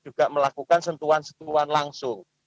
juga melakukan sentuhan sentuhan langsung